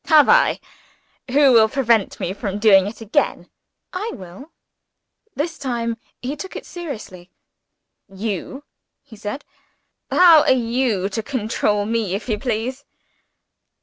"Have I? Who will prevent me from doing it again?" "I will." This time he took it seriously. "You?" he said. "How are you to control me, if you please?"